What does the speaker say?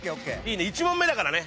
１問目だからね。